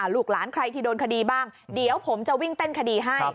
ลูกหลานใครที่โดนคดีบ้างเดี๋ยวผมจะวิ่งเต้นคดีให้